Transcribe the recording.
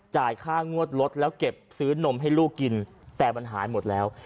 ค่างวดรถแล้วเก็บซื้อนมให้ลูกกินแต่มันหายหมดแล้ว